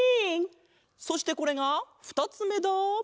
そしてこれがふたつめだ！